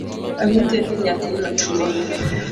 Awinjo ni nyathino tuo